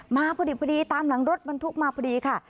มาพอดีตามหลังรถบรรทุกมาพอดีค่ะ